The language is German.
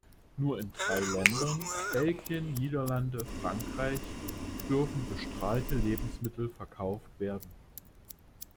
Nur in drei Ländern Belgien, Niederlande, Frankreich dürfen bestrahlte Lebensmittel verkauft werden.